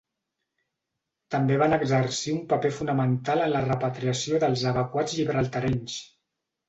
També van exercir un paper fonamental en la repatriació dels evacuats gibraltarenys.